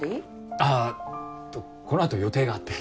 ああこのあと予定があって。